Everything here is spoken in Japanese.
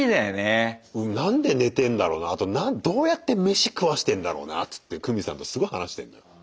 何で寝てんだろうなあとどうやって飯食わしてんだろうなっつってクミさんとすごい話してんのよ。